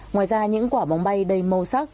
ngoài ra những quả bóng bay đầy màu sắc